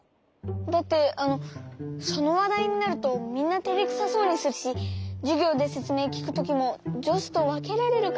だってあのそのわだいになるとみんなてれくさそうにするしじゅぎょうでせつめいきくときもじょしとわけられるから。